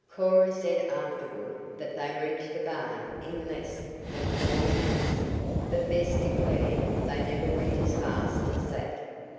Cora said afterward that they reached the barn in less than four minutes, but Bess declared they never went as fast as that.